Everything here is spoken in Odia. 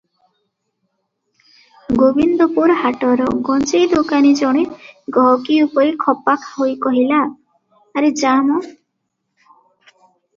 ଗୋବିନ୍ଦପୁର ହାଟର ଗଞ୍ଜେଇଦୋକାନୀ ଜଣେ ଗହକି ଉପରେ ଖପା ହୋଇ କହିଲା, "ଆରେ ଯା ମ ।